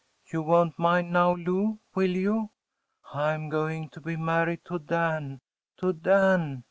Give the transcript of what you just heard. You won’t mind now Lou, will you?‚ÄĒI‚Äôm going to be married to Dan‚ÄĒto Dan!